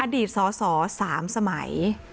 อดีตสส๓สมัย